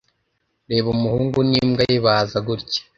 Reba umuhungu n'imbwa ye baza gutya.